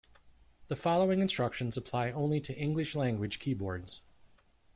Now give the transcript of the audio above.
The following instructions apply only to English-language keyboards.